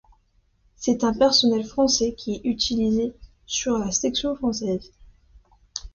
C'est un personnel français qui est utilisé sur la section française.